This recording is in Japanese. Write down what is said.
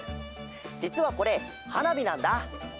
じつはこれはなびなんだ。